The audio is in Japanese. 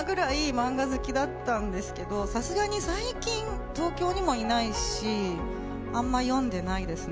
漫画好きだったんですけど、さすがに最近、東京にもいないしあんま読んでないですね。